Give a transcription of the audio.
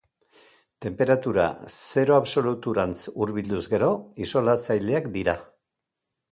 Tenperatura zero absoluturantz hurbilduz gero isolatzaileak dira.